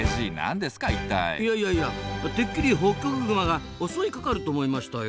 いやいやいやてっきりホッキョクグマが襲いかかると思いましたよ。